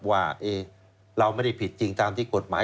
ว่าเราไม่ได้ผิดจริงตามที่กฎหมาย